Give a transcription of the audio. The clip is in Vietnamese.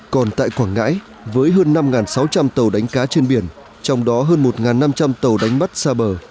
còn tại quảng ngãi với hơn năm sáu trăm linh tàu đánh cá trên biển trong đó hơn một năm trăm linh tàu đánh bắt xa bờ